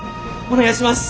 お願いします！